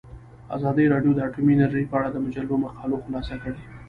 ازادي راډیو د اټومي انرژي په اړه د مجلو مقالو خلاصه کړې.